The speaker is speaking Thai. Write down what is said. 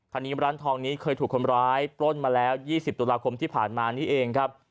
นี้ร้านทองนี้เคยถูกคนร้ายปล้นมาแล้ว๒๐ตุลาคมที่ผ่านมานี่เองครับ